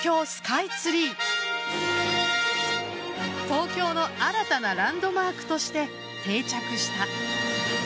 東京の新たなランドマークとして定着した。